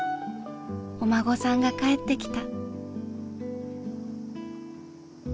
お孫さんが帰ってきた。